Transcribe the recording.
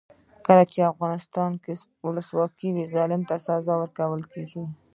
کله چې افغانستان کې ولسواکي وي ظالم ته سزا ورکول کیږي.